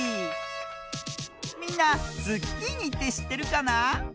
みんなズッキーニってしってるかな？